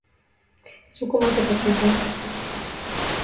sukuma chapati zako